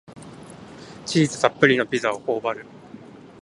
チーズたっぷりのピザをほおばる